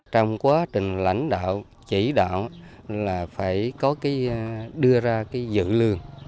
trong quá trình lãnh đạo chỉ đạo là phải có cái đưa ra cái dự lường